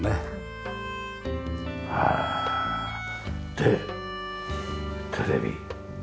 でテレビ。